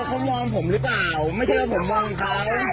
เขามองผมหรือเปล่าไม่ใช่ว่าผมมองเขา